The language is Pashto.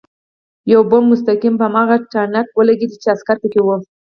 یو بم مستقیم په هماغه ټانک ولګېد چې عسکر پکې و